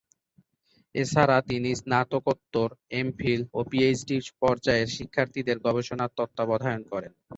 এছাড়া তিনি স্নাতকোত্তর, এমফিল ও পিএইচডি পর্যায়ের শিক্ষার্থীদের গবেষণা তত্ত্বাবধান করেন।